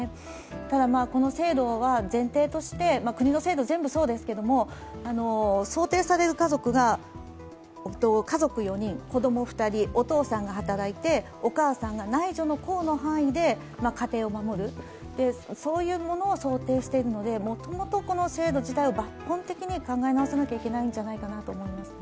ただ、この制度は前提として、国の制度全部そうですけれども、想定される家族が、家族４人、子供２人、お父さんが働いて、お母さんが内助の功の範囲で家庭を守る、そういうものを想定しているので、もともとこの制度自体を抜本的に考え直さないといけないんじゃないかなと思います。